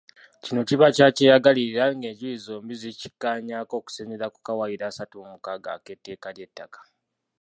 Kino kiba kya kyeyagalire era ng’enjuyi zombi zikikkaanyaako okusinziira ku kawaayiro asatu mu mukaaga ak’etteeka ly’ettaka.